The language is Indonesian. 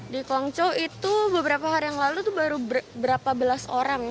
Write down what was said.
di kongco itu beberapa hari yang lalu itu baru berapa belas orang